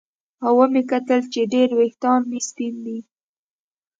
او ومې کتل چې ډېر ویښتان مې سپین دي